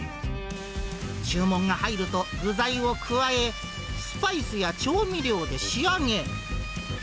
注文が入ると、具材を加え、スパイスや調味料で仕上げ。